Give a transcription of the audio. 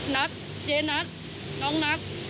ณั๊กเจ๊ณั๊กน้องณั๊ก